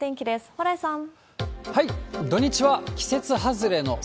蓬莱さん。